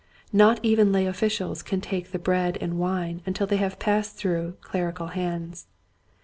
Not even lay officials can take the bread and wine until they have passed through cler ical hands.